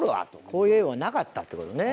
こういう絵はなかったってことね。